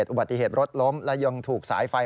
อุบัติเหตุรถล้มและยังถูกสายไฟ